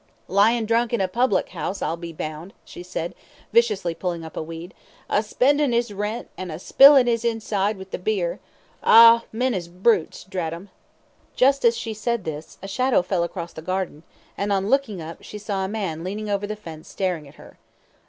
"Lyin' drunk in a public 'ouse, I'll be bound," she said, viciously pulling up a weed, "a spendin' 'is, rent and a spilin' 'is inside with beer ah, men is brutes, drat 'em!" Just as she said this, a shadow fell across the garden, and on looking up, she saw a man leaning over the fence, staring at her.